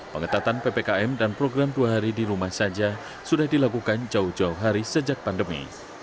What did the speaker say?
pengetatan ppkm dan program dua hari di rumah saja sudah dilakukan jauh jauh hari sejak pandemi